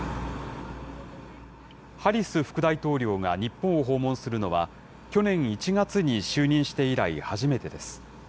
ハリス副大統領が日本を訪問するのは、去年１月に就任して以来、初めてです。